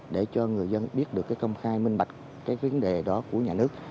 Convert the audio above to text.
để cho người dân biết được cái công khai minh bạch cái vấn đề đó của nhà nước